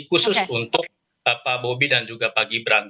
khusus untuk bapak bobi dan juga pak gibran